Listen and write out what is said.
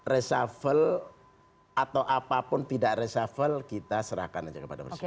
reshuffle atau apapun tidak reshuffle kita serahkan aja kepada presiden